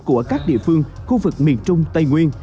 của các địa phương khu vực miền trung tây nguyên